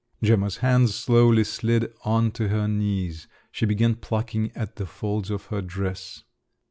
Gemma's hands slowly slid on to her knees. She began plucking at the folds of her dress.